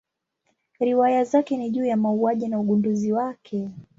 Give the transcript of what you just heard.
Riwaya zake ni juu ya mauaji na ugunduzi wake.